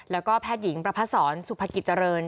แล้วก็แพทย์หญิงประพัดศรสุภกิจเจริญ